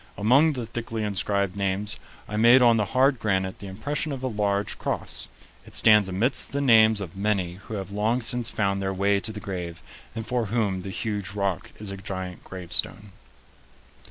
Among the thickly inscribed names, I made on the hard granite the impression of a large cross. It stands amidst the names of many who have long since found their way to the grave and for whom the huge rock is a giant gravestone."